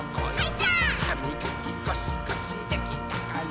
「はみがきゴシゴシできたかな？」